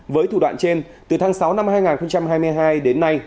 với thủ đoạn trên từ tháng sáu năm hai nghìn hai mươi hai đến nay